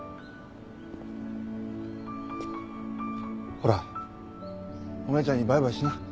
ほらお姉ちゃんにバイバイしな。